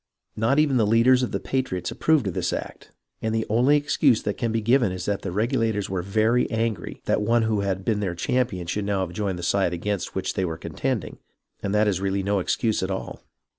Not even the leaders of the patriots approved of this act, and the only excuse that can be given is that the Regulators were very angry that one who had THE FIRST BLOODSHED 3 1 been their champion should now have joined the side against which they were contending, and that is really no excuse at all.